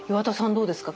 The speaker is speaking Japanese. どうですか？